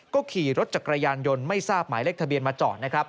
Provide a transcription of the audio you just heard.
ก็ขี่รถจักรยานยนต์ไม่ทราบหมายเลขทะเบียนมาจอดนะครับ